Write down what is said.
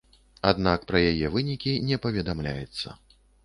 Аднак пра яе вынікі не паведамляецца.